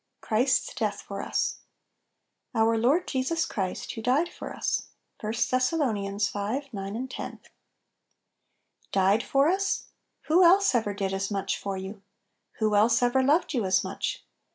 CHRIST'S DEATH FOR US. "Our Lord Jesus Christ, who died for na" I Thsss. t. 9, 10. DIED for us? 'Who else ever did as much for you? who else ever loved you as much?